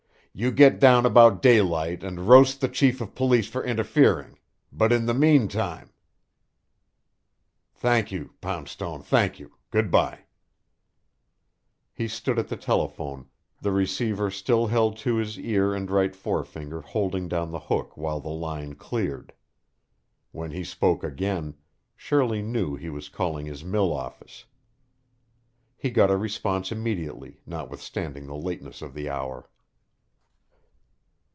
You get down about daylight and roast the chief of police for interfering, but in the meantime!... Thank you, Poundstone, thank you. Good bye." He stood at the telephone, the receiver still held to his ear and his right forefinger holding down the hook while the line cleared. When he spoke again, Shirley knew he was calling his mill office. He got a response immediately, notwithstanding the lateness of the hour.